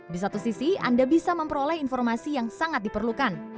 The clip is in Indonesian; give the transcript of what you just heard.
di satu sisi anda bisa memperoleh informasi yang sangat diperlukan